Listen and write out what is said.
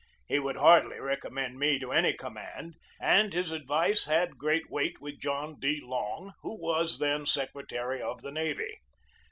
He would hardly recommend me to any command; and his advice had great weight with John D. Long, who was then secretary of the navy.